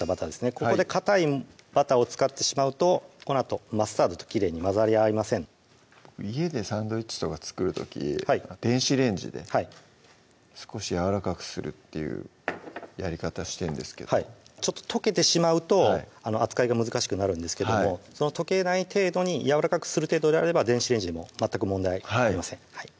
ここでかたいバターを使ってしまうとこのあとマスタードときれいに混ざり合いません家でサンドイッチとか作る時電子レンジで少しやわらかくするというやり方してんですけど溶けてしまうと扱いが難しくなるんですけども溶けない程度にやわらかくする程度であれば電子レンジでも全く問題ありません